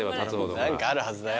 何かあるはずだよ。